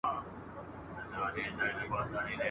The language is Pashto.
هغه شاعر هېر که چي نظمونه یې لیکل درته !.